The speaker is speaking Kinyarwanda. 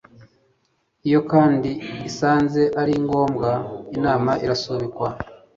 iyo kandi isanze ari ngombwa inama irasubikwa